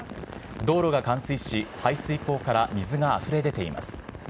道路が冠水し、排水溝から水があふれ出ています。